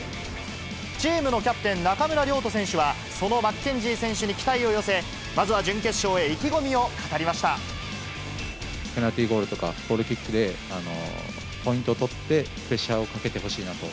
チームのキャプテン、中村亮土選手は、そのマッケンジー選手に期待を寄せ、まずは準決ペナルティーゴールとか、ゴールキックでポイントを取って、プレッシャーをかけてほしいなと。